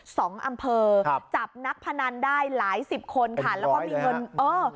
สองอำเภอครับจับนักพนันได้หลายสิบคนค่ะแล้วก็มีเงินเออ